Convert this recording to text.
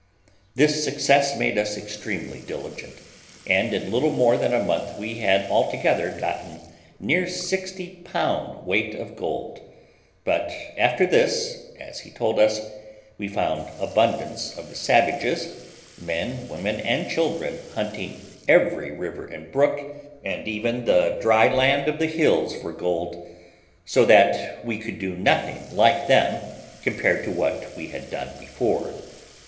This success made us extremely diligent; and in little more than a month we had altogether gotten near sixty pound weight of gold; but after this, as he told us, we found abundance of the savages, men, women, and children, hunting every river and brook, and even the dry land of the hills for gold; so that we could do nothing like then, compared to what we had done before.